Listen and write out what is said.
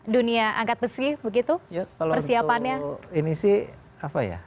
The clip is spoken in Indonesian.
dunia angkat besi begitu persiapannya